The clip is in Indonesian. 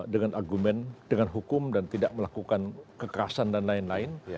dengan argumen dengan hukum dan tidak melakukan kekerasan dan lain lain